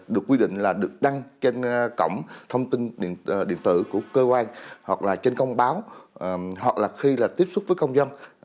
được quy định là được đăng trên cổng thông tin điện tử của cơ quan hoặc là trên công báo hoặc là khi tiếp xúc với công dân